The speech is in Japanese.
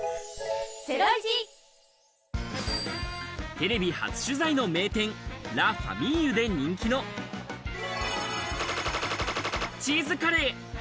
テレビ初取材の名店ラ・ファミーユで人気の○○チーズカレー。